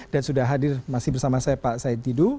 dan sudah hadir masih bersama saya pak said tidu